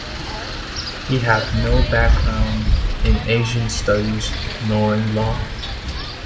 He had no background in Asian studies nor in law.